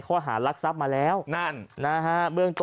ทำมาแล้วกี่ครั้ง